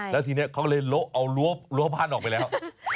แล้วทีนี้เขาเลยเอารั้วบ้านออกไปแล้ว